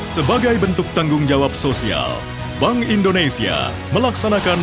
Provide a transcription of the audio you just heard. sebagai bentuk tanggung jawab sosial bank indonesia melaksanakan